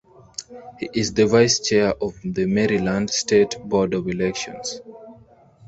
He is the Vice Chair of the Maryland State Board of Elections.